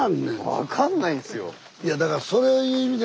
分かんないんですよ。